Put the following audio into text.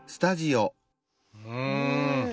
うん。